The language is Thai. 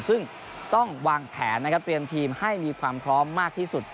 ซึ่งต้องวางแผนนะครับเตรียมทีมให้มีความพร้อมมากที่สุด